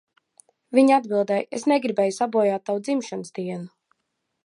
Viņa atbildēja, "Es negribēju sabojāt tavu dzimšanas dienu."